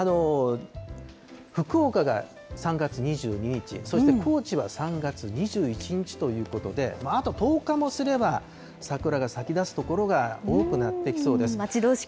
福岡が３月２２日、そして高知は３月２１日ということで、あと１０日もすれば、桜が咲きだす所が多くなってきそうです。